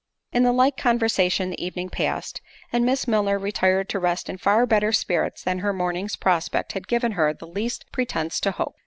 In the like conversation the evening passed, and Miss Milner retired to rest in far better spirits than her morning's prospect had given her the least pretence to hope.